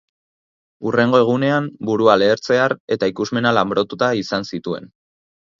Hurrengo egunean burua lehertzear eta ikusmena lanbrotuta izan zituen.